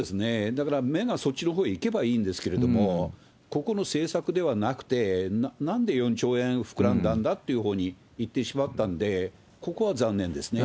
だから、目がそっちのほうへいけばいいんですけれども、個々の政策ではなくて、なんで４兆円膨らんだんだというふうにいってしまったので、ここは残念ですね。